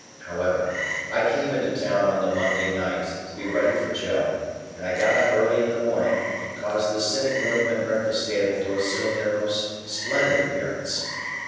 However, I came into town on the Monday night to be ready for Joe, and I got up early in the morning, and caused the sitting room and breakfast table to assume their most splendid appearance.